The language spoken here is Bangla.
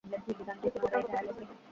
এই কুকুরটা আমার পছন্দ হয়েছে!